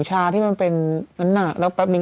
ใช่ค่ะเอามาลองมุ่นแดรน